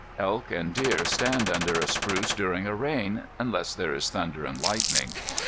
Elk and deer stand under a spruce during a rain, unless there is thunder and lightning.